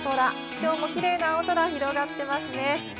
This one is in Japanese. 今日もキレイな青空が広がっていますね。